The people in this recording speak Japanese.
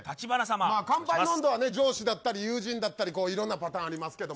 乾杯の音頭は上司だったり友人だったりいろいろなパターンありますが。